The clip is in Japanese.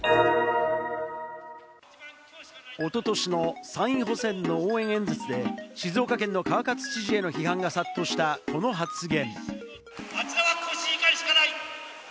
おととしの参院補選の応援演説で、静岡県の川勝知事への批判が殺到したこの発言。